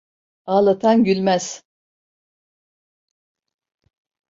Ağlatan gülmez.